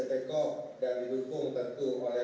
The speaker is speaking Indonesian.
bapak menteri kesehatan yang saya hormati